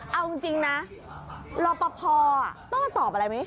เอาจริงนะรอปภโต้ตอบอะไรไหม